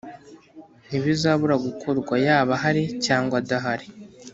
Ntibizabura gukorwa yaba ahari cyangwa adahari